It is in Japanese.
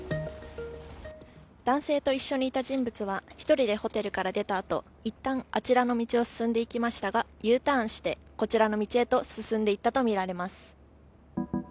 男性と一緒にいた人物は１人でホテルから出たあと一旦あちらの道を進んでいきましたが、Ｕターンしてこちらの道へと進んでいったとみられます。